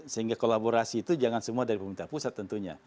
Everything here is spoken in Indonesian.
sehingga kolaborasi itu jangan semua dari pemerintah pusat tentunya